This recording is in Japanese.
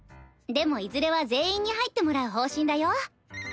でもいずれは全員に入ってもらう方針だよ。